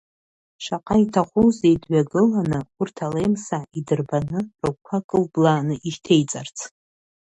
Шаҟа иҭахузеи дҩагыланы, урҭ алемсаа идырбаны, рыгәқәа кылблааны ишьҭеиҵарц.